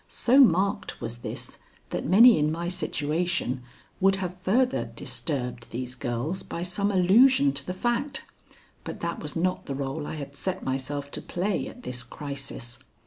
So marked was this, that many in my situation would have further disturbed these girls by some allusion to the fact. But that was not the rôle I had set myself to play at this crisis.